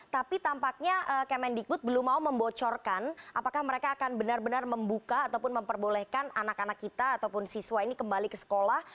tapi tampaknya kemendikbud belum mau membocorkan apakah mereka akan benar benar membuka ataupun memperbolehkan anak anak kita ataupun siswa ini kembali ke sekolah